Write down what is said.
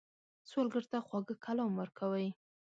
سوالګر ته خواږه کلام ورکوئ